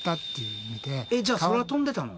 えっじゃあ空飛んでたの？